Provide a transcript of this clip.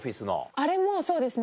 あれもそうですね